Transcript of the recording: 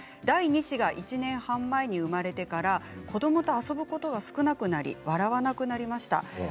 第二子が１年半前に生まれてから子どもと遊ぶことが少なくなり笑わなくなりました。